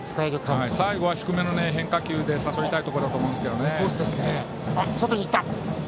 最後は低めの変化球で誘いたいところだと思いますが。